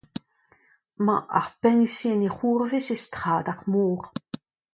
Emañ ar peñse en e c’hourvez e strad ar mor.